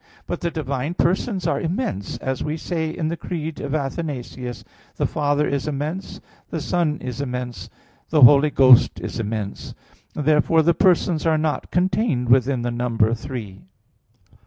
But the divine persons are immense, as we say in the Creed of Athanasius: "The Father is immense, the Son is immense, the Holy Ghost is immense." Therefore the persons are not contained within the number three.